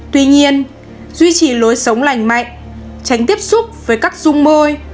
tuy nhiên duy trì lối sống lành mạnh tránh tiếp xúc với các dung môi